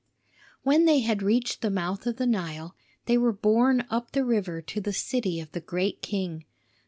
When they had reached the mouth of the Nile, they were borne up the river to the city of the great king.